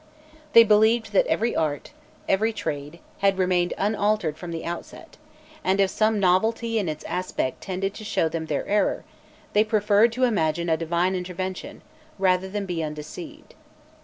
They believed that every art, every trade, had remained unaltered from the outset, and if some novelty in its aspect tended to show them their error, they preferred to imagine a divine intervention, rather than be undeceived.